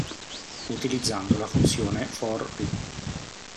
Utilizzando la funzione For Loop.